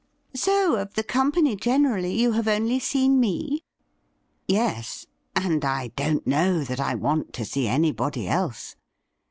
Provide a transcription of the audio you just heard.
' So, of the company generally, you have only seen me ?' 'Yes; and I don't know that I want to see anybody else.'